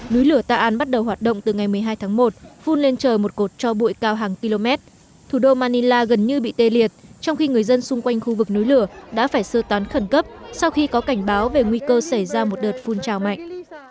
núi lửa ta an bắt đầu hoạt động từ ngày một mươi hai tháng một phun lên trời một cột cho bụi cao hàng km thủ đô manila gần như bị tê liệt trong khi người dân xung quanh khu vực núi lửa đã phải sơ tán khẩn cấp sau khi có cảnh báo về nguy cơ xảy ra một đợt phun trào mạnh